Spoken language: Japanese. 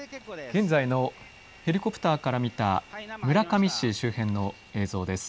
現在のヘリコプターから見た村上市周辺の映像です。